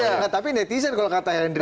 iya tapi netizen kalau kata erick thohir tadi